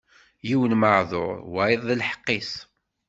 Yiwen meɛduṛ, wayeḍ d lḥeqq-is.